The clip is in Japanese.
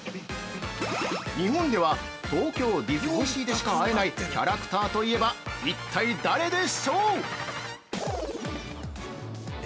日本では東京ディズニーシーでしか会えないキャラクターといえば、一体誰でしょう？◆え？